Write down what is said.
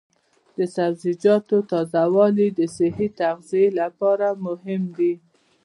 د سبزیجاتو تازه والي د صحي تغذیې لپاره مهمه ده.